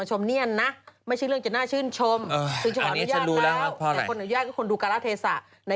อันนี้ก็ง่ายที่สุดเลยน่ะ